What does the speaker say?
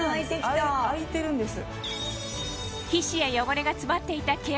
空いてるんです。